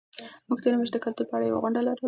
موږ تېره میاشت د کلتور په اړه یوه غونډه لرله.